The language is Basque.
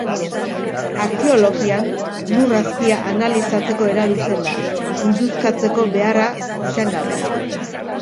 Arkeologian, lur azpia analizatzeko erabiltzen da, induskatzeko beharra izan gabe.